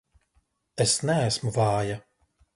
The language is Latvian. Es neesmu vāja!